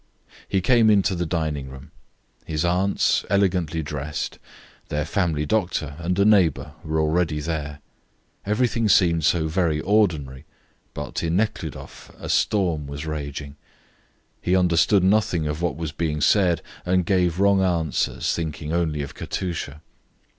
He came into the dining room. His aunts, elegantly dressed, their family doctor, and a neighbour were already there. Everything seemed so very ordinary, but in Nekhludoff a storm was raging. He understood nothing of what was being said and gave wrong answers, thinking only of Katusha.